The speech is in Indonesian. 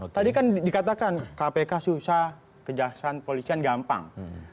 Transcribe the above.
tadi kan dikatakan kpk susah kejahatan polisian gampang